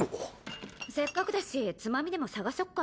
せっかくだしつまみでも探そっか。